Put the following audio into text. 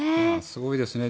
すごいですね。